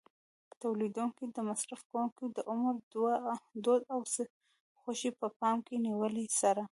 تولیدوونکي د مصرف کوونکو د عمر، دود او خوښۍ په پام کې نیولو سره.